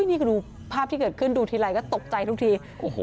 นี่คือดูภาพที่เกิดขึ้นดูทีไรก็ตกใจทุกที